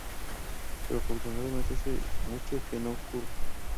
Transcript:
Pero afortunadamente hace mucho que no ocurre.